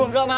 gua gak mau